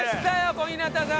小日向さん。